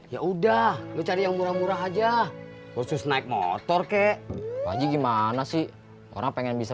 ya udah lu cari yang murah murah aja khusus naik motor kek lagi gimana sih orang pengen bisa